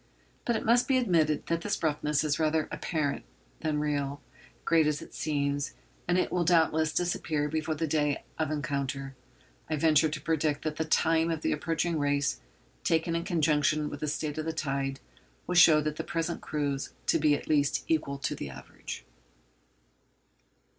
But it must be admitted that this roughness is rather apparent than real, great as it seems, and it will doubtless disappear before the day of encounter. I venture to predict that the 'time' of the approaching race, taken in conjunction with the state of the tide, will show the present crews to be at least equal to the average.